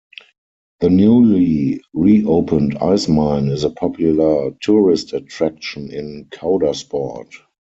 The newly re-opened Ice Mine is a popular tourist attraction in Coudersport.